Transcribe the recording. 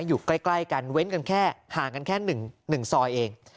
อยู่ใกล้กันเว้นกันแค่ห่างกันแค่๑ซอยเอง